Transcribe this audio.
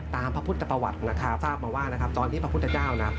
พระพุทธประวัตินะคะทราบมาว่านะครับตอนนี้พระพุทธเจ้านะ